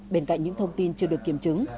bên cạnh những thông tin chưa được kiểm chứng